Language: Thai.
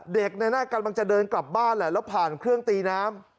เด็กกำลังจะเดินกลับบ้านแหละแล้วผ่านเครื่องตีน้ำ